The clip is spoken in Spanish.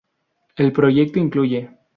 El proyecto incluye